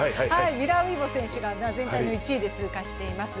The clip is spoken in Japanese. ミラー・ウイボ選手が全体の１位で通過しています。